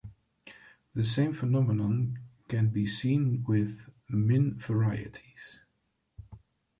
The same phenomenon can be seen with Min varieties.